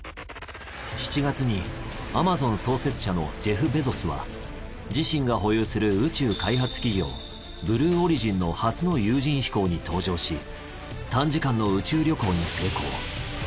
７月にアマゾン創設者のジェフ・ベゾスは自身が保有する宇宙開発企業ブルーオリジンの初の有人飛行に搭乗し短時間の宇宙旅行に成功。